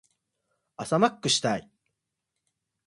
朝マックしたい。